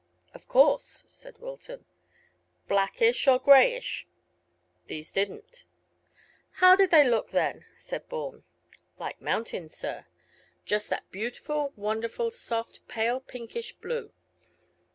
"Of course," said Wilton. "Blackish or greyish. These didn't." "How did they look then?" said Bourne. "Like mountains, sir; just that beautiful, wonderful, soft, pale pinkish blue.